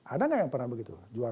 ada nggak yang pernah begitu